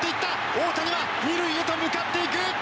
大谷は２塁へと向かっていく！